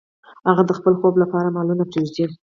هغه د خپل خوب لپاره مالونه پریږدي.